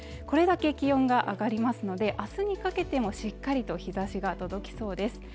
これだけ気温が上がりますのであすにかけてもしっかりと日差しが届きそうです